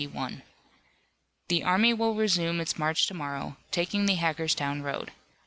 The army will resume its march tomorrow, taking the Hagerstown road.